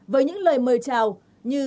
với những lời mời chào như